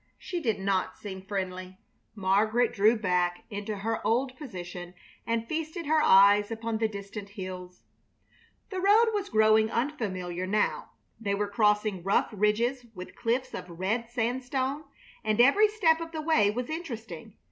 She did not seem friendly. Margaret drew back into her old position and feasted her eyes upon the distant hills. The road was growing unfamiliar now. They were crossing rough ridges with cliffs of red sandstone, and every step of the way was interesting.